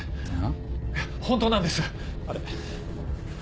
あ？いや本当なんです！